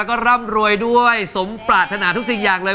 ก็ร่ำรวยด้วยสมปรารถนาทุกสิ่งอย่างเลย